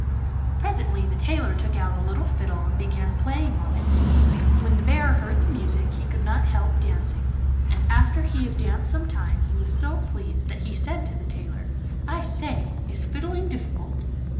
Presently the tailor took out a little fiddle and began playing on it. When the bear heard the music he could not help dancing, and after he had danced some time he was so pleased that he said to the tailor, 'I say, is fiddling difficult?